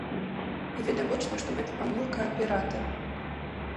І відавочна, што гэта памылка аператара.